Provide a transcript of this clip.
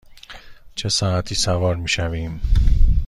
چه ساعتی سوار می شویم؟